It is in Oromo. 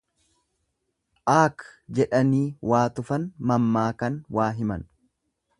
Aak! Jedhanii waa tufan mammaakan waa himan.